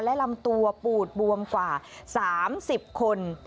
และลำตัวปูดบวมกว่า๓๐คน